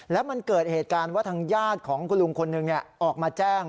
แล้วมันเกิดเหตุการณ์ว่าทางญาติของคุณลุงคนหนึ่งออกมาแจ้ง